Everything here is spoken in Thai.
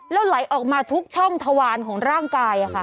แล้วไหลออกมาทุกช่องทวารของร่างกาย